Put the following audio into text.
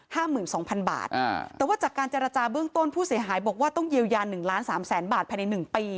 หมื่นสองพันบาทอ่าแต่ว่าจากการเจรจาเบื้องต้นผู้เสียหายบอกว่าต้องเยียวยาหนึ่งล้านสามแสนบาทภายในหนึ่งปี